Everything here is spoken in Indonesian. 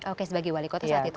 oke sebagai wali kota saat itu